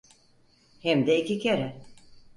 Hem de iki kere.